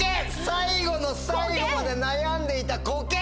最後の最後まで悩んでいたコケ！